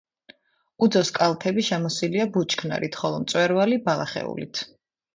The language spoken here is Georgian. უძოს კალთები შემოსილია ბუჩქნარით, ხოლო მწვერვალი ბალახეულით.